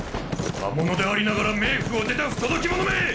魔物でありながら冥府を出た不届き者め！